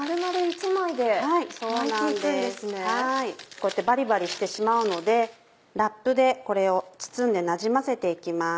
こうやってバリバリしてしまうのでラップでこれを包んでなじませて行きます。